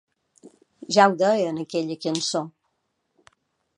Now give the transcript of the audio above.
Ja ho deia en aquella cançó.